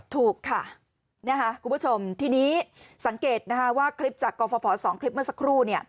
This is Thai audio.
ถูกค่ะคุณผู้ชมทีนี้สังเกตว่าคลิปจากกรฟภ๒คลิปเมื่อสักครู่